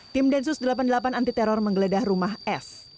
tim densus delapan puluh delapan anti teror menggeledah rumah s